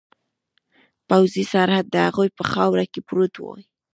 پوځي سرحد د هغوی په خاوره کې پروت وي.